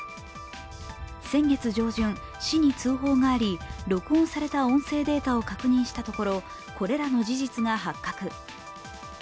先月上旬、市に通報があり、録音された音声データを確認したところ、これらの事実が発覚。